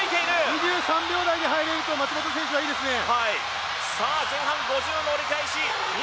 ２３秒台に入ると、松元選手もいいですね。